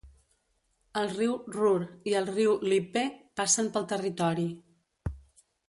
El riu Ruhr i el riu Lippe passen pel territori.